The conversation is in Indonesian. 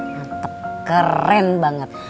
mantap keren banget